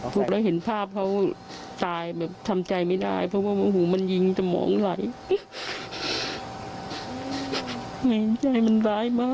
พวกเราเห็นภาพเขาตายแบบทำใจไม่ได้เพราะว่าโมโหมันยิงสมองไหลมาก